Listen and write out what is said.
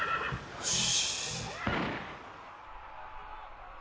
よし。